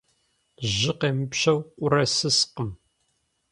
Жьы къемыпщэу къурэ сыскъым.